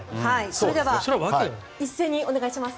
それでは一斉にお願いします。